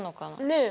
ねえ。